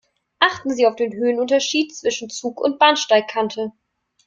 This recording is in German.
Achten Sie auf den Höhenunterschied zwischen Zug und Bahnsteigkante.